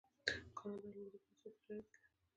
کاناډا له اروپا سره تجارت کوي.